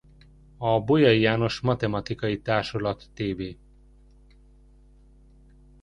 A Bolyai János Matematikai Társulat tb.